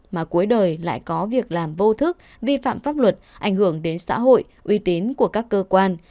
mà cuối đời lại có việc làm vô thức vi phạm pháp luật ảnh hưởng đến xã hội uy tín của các cơ quan